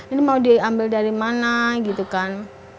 ini mau diambil dari mana gitu kan